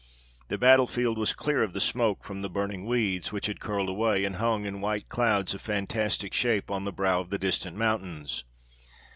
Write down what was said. The battle field was clear of the smoke from the burning weeds, which had curled away, and hung in white clouds of fantastic shape on the brow of the distant mountains.